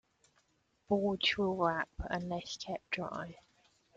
Boards will warp unless kept dry.